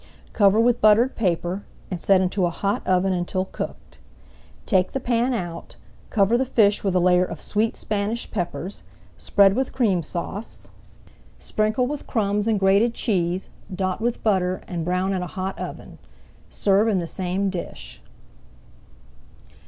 Cover with buttered paper, and set into a hot oven until cooked. Take the pan out, cover the fish with a layer of sweet Spanish peppers, spread with Cream Sauce, sprinkle with crumbs and grated cheese, dot with butter, and brown in a hot oven. Serve in the same dish.